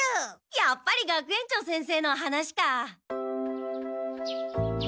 やっぱり学園長先生の話か。